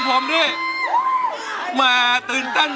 ล้อมได้ให้ร้าน